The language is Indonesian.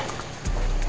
kutung ke para baiknya